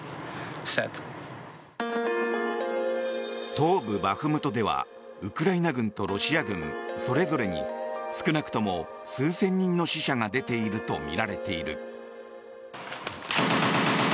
東部バフムトではウクライナ軍とロシア軍それぞれに少なくとも数千人の死者が出ているとみられている。